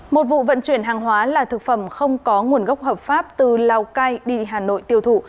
một vụ vận chuyển hàng hóa là thực phẩm không có nguồn gốc hợp pháp từ lào cai đi hà nội tiêu thụ